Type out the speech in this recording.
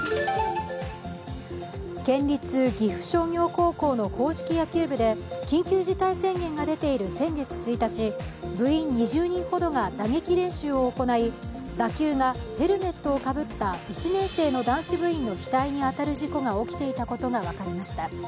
県立岐阜商業高校の硬式野球部で緊急事態宣言が出ている先月１日、部員２０人ほどが打撃練習を行い打球がヘルメットをかぶった１年生の男子部員の額に当たる事故が起きていたことが分かりました。